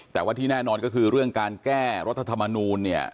แต่ว่าที่แน่นอนก็คือเรื่องการแก้รัฐธรรมนูลเนี่ย